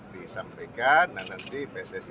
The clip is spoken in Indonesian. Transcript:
disampaikan nanti pssi